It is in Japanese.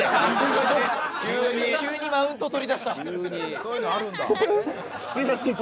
そういうのあるんだ。